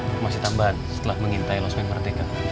perhubungan tambahan setelah mengintai los men merdeka